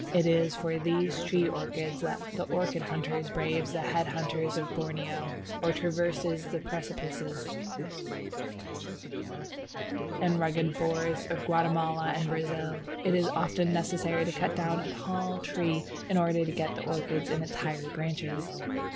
It is for these tree orchids that the orchid hunter braves the head hunters of Borneo or traverses the precipices and rugged forests of Guatemala and Brazil. It is often necessary to cut down a tall tree in order to get the orchids in its higher branches.